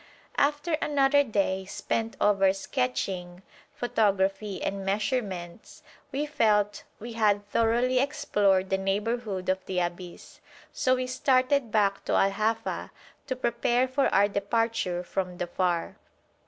After another day, spent over sketching, photography, and measurements, we felt we had thoroughly explored the neighbourhood of the abyss, so we started back to Al Hafa to prepare for our departure from Dhofar.